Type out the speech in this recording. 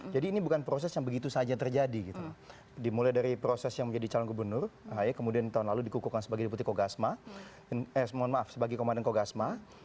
ya ini bukan proses yang begitu saja terjadi gitu dimulai dari proses yang menjadi calon gubernur ahi kemudian tahun lalu dikukuhkan sebagai komandan kogasma